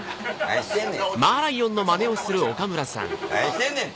何してんねん！